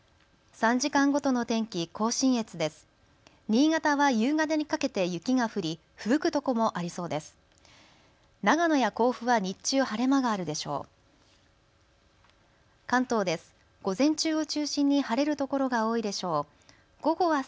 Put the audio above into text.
３時間ごとの天気、甲信越です。